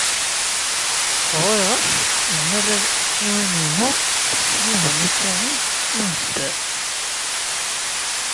Ɣriɣ-as yerna rriɣ iman-inu d Sliman u Saɛid Amezdat.